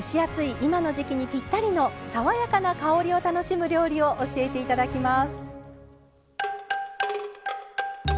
今の時季にぴったりの爽やかな香りを楽しむ料理を教えていただきます。